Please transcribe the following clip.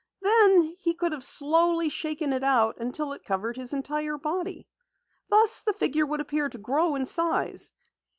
"Then he could have slowly shaken it out until it covered his entire body. Thus the figure would appear to grow in size."